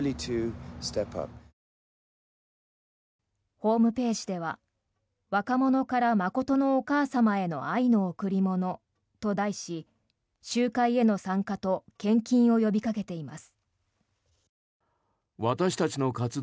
ホームページでは「若者から真のお母様への愛の贈り物」と題し集会への参加と献金を呼びかけています。